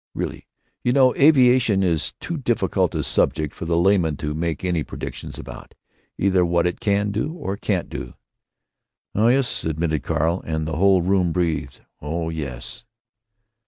Really, you know, aviation is too difficult a subject for the layman to make any predictions about—either what it can or can't do." "Oh yes," admitted Carl; and the whole room breathed. "Oh yes."